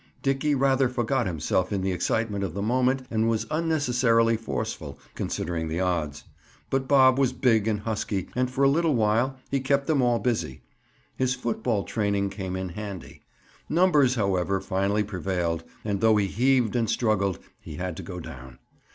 Dickie rather forgot himself in the excitement of the moment and was unnecessarily forceful, considering the odds. But Bob was big and husky and for a little while he kept them all busy. His football training came in handy. Numbers, however, finally prevailed, and though he heaved and struggled, he had to go down.